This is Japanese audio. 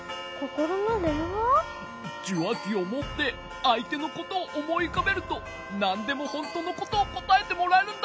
じゅわきをもってあいてのことをおもいうかべるとなんでもほんとのことをこたえてもらえるんだ。